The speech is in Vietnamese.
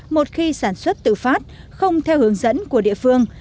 một khi sản xuất tự phát không theo hướng dẫn của địa phương